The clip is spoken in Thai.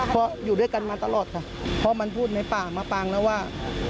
เพราะอยู่ด้วยกันมาตลอดค่ะเพราะมันพูดในป่ามาปางแล้วว่า